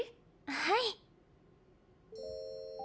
はい。